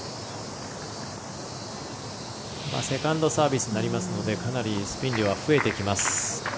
セカンドサービスになりますのでかなりスピンが増えてきます。